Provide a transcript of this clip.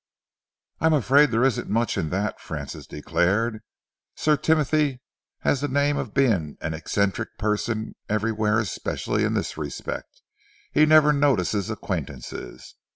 "I'm afraid there isn't much in that," Francis declared. "Sir Timothy has the name of being an eccentric person everywhere, especially in this respect he never notices acquaintances.